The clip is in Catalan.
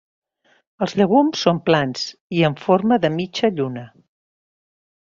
Els llegums són plans i en forma de mitja lluna.